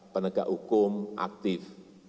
penegak hukum aktif